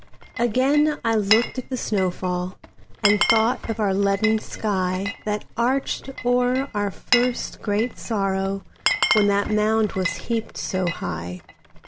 Again I looked at the snow fall, And thought of the leaden skyThat arched o'er our first great sorrow, When that mound was heaped so high.